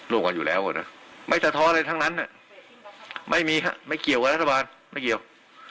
กันอยู่แล้วนะไม่สะท้ออะไรทั้งนั้นไม่มีครับไม่เกี่ยวกับรัฐบาลไม่เกี่ยว